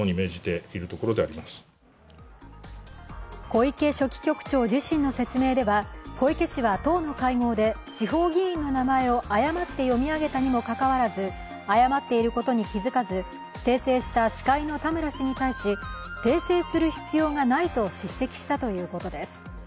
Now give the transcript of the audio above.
小池書記局長自身の説明では小池氏は党の会合で地方議員の名前を誤って読み上げたにもかかわらず、誤っていることに気づかず、訂正した司会の田村氏に対し、訂正する必要がないと叱責したということです。